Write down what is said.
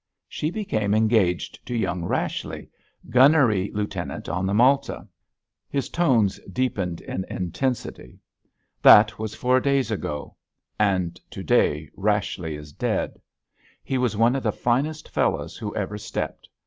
She became engaged to young Rashleigh, gunnery lieutenant on the Malta." His tones deepened in intensity. "That was four days ago—and to day Rashleigh is dead. He was one of the finest fellows who ever stepped.